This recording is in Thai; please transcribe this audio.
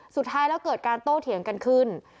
สุดท้ายแล้วเกิดการโต้เถียงกันขึ้น